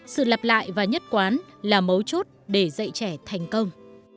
sự lặp lại và nhất quán là mấu chốt để dạy trẻ thành công